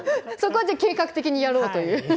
そこはじゃあ計画的にやろうという。